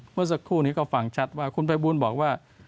เมื่อสักครู่นี้ก็ฟังชัดว่าคุณภัยบูลบอกว่า